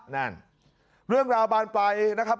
นั่นเรื่องราวบานปลายนะครับ